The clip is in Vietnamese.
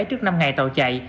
trước năm ngày tàu chạy